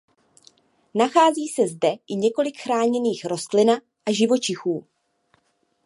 Nachází se zde i několik chráněných rostlina a živočichů.